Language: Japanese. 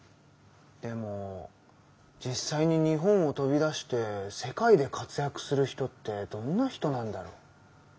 でも実際に日本を飛び出して世界で活躍する人ってどんな人なんだろう？